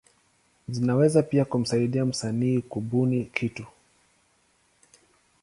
Zinaweza pia kumsaidia msanii kubuni kitu.